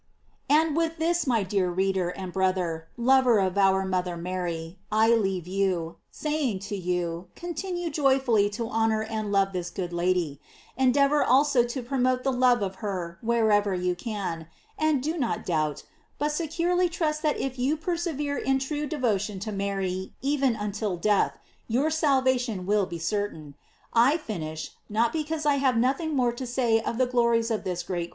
And with this, my dear reader and brother, lover of our mother Mary, I leave you, saying to you, continue joyfully to honor and love this good Lady; endeavor also to promote the love of her wherever you can, and do not doubt, but securely trust that if you persevere in true de votion to Mary, even until death, your salvation will be certain. I finish, not because I have nothing more to say of the glories of this great 674 GLORIES OF MART.